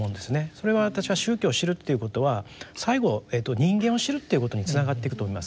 それは私は宗教を知るっていうことは最後人間を知るっていうことにつながっていくと思います。